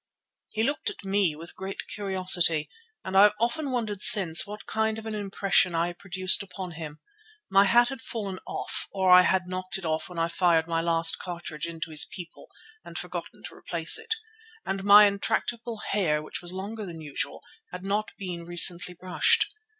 He looked at me with great curiosity, and I have often wondered since what kind of an impression I produced upon him. My hat had fallen off, or I had knocked it off when I fired my last cartridge into his people, and forgotten to replace it, and my intractable hair, which was longer than usual, had not been recently brushed.